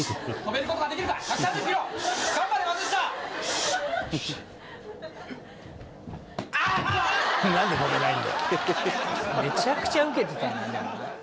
めちゃくちゃウケてたなでもな。